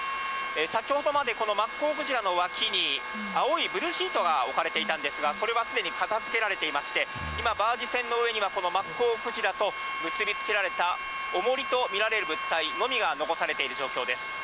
先ほどまでこのマッコウクジラの脇に、青いブルーシートが置かれていたんですが、それはすでに片づけられていまして、今、バージ船の上にはこのマッコウクジラと、結び付けられたおもりと見られる物体のみが残されている状態です。